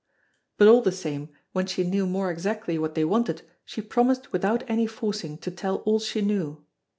But all the same when she knew more exactly what they wanted she promised without any forcing to tell all she knew.